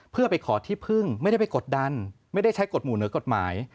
เพื่อไปขอที่พึ่งไม่ได้ไปกดดันไม่ได้ใช้กฎหมู่เหนือกฎหมาย